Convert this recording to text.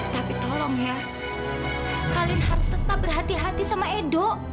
tapi tolong ya kalian harus tetap berhati hati sama edo